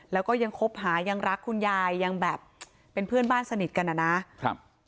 แล้วก็ยังคบหายังรักคุณยายยังแบบเป็นเพื่อนบ้านสนิทกันนะครับ